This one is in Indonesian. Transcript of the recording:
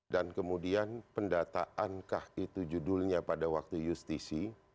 dan kemudian pendataankah itu judulnya pada waktu justisi